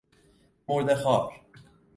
مرده خوار